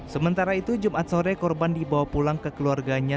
sementara itu jumat sore korban dibawa pulang ke keluarganya